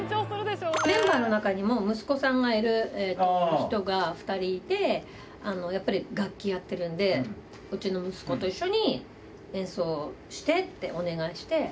メンバーの中にも息子さんがいる人が２人いて、やっぱり楽器やってるんで、うちの息子と一緒に演奏してってお願いして。